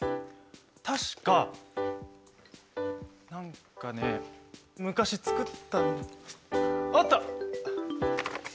確か何かね昔作ったあった！